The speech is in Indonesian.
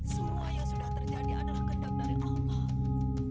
semua yang sudah terjadi adalah kendak dari allah